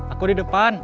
aku di depan